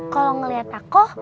kalau ngeliat aku